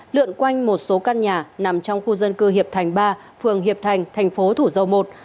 lượn quanh một số căn nhà nằm trong khu dân cư hiệp thành ba phường hiệp thành thành phố thủ dầu một